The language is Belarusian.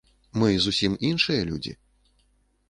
Мы зусім іншыя людзі.